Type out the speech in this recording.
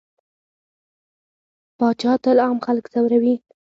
پاچا تل عام خلک ځوروي.